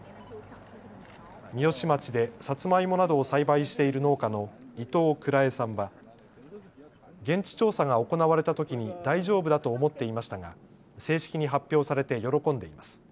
三芳町でサツマイモなどを栽培している農家の伊東蔵衛さんは現地調査が行われたときに大丈夫だと思っていましたが正式に発表されて喜んでいます。